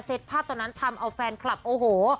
ภาพตอนนั้นทำเอาแฟนคลับโอ้โห